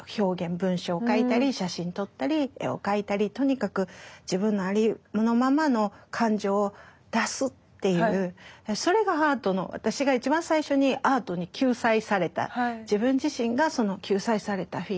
文章を書いたり写真撮ったり絵を描いたりとにかく自分のありのままの感情を出すっていうそれがアートの私が一番最初に自分自身が救済されたフィールド。